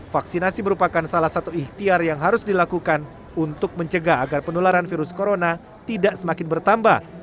vaksinasi merupakan salah satu ikhtiar yang harus dilakukan untuk mencegah agar penularan virus corona tidak semakin bertambah